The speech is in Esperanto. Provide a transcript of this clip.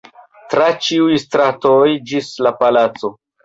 tra ĉiuj stratoj ĝis la palaco.